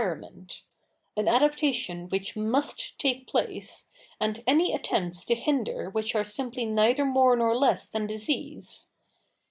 jnment — an adaptation which must take place, and any attempts to hinder which are simply neither more nor less than disease.